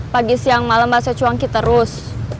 pagi siang malam bahso cuanki terus